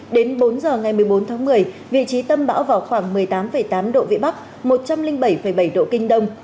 đến bốn giờ ngày một mươi bốn tháng một mươi vị trí tâm bão vào khoảng một mươi tám tám độ vĩ bắc một trăm linh bảy bảy độ kinh đông